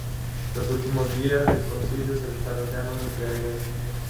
Los últimos días del concilio se desarrollaron entre agradecimientos.